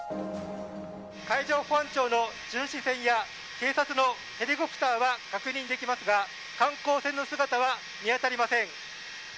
海上保安庁の巡視船や、警察のヘリコプターは確認できますが、観光船の姿は見当たりません。